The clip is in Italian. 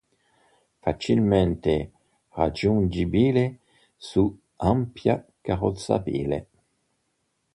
Facilmente raggiungibile su ampia carrozzabile.